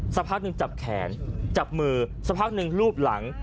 สักพักหนึ่งจับแขนจับมือสักพักหนึ่งรูปหลัง